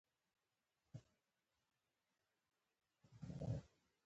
دا فعالیتونه د وارداتو په کمولو کې مرسته کوي.